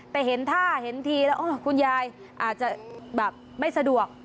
แต่เห็นท่าเห็นทีแล้วคุณยายอาจจะแบบไม่สะดวก